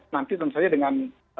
nanti tentu saja dengan